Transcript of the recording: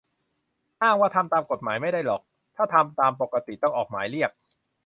อ้างว่าทำตามกฎหมายไม่ได้หรอก ถ้าทำตามปกติต้องออกหมายเรียก